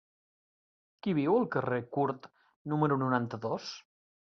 Qui viu al carrer Curt número noranta-dos?